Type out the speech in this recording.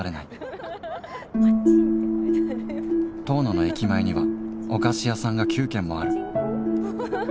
遠野の駅前にはお菓子屋さんが９軒もある。